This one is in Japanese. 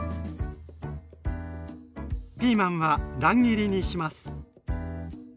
ピーマンは乱切りにします。